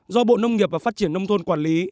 do bộ nông nghiệp và phát triển nông thôn quản lý